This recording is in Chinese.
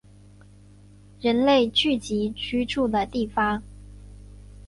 人类聚集居住的地方